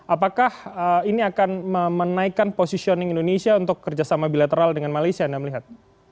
apakah ini akan menaikkan positioning indonesia untuk kerjasama bilateral dengan malaysia anda melihat